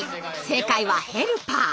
正解は「ヘルパー」！